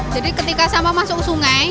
jadi ketika sampah masuk ke sungai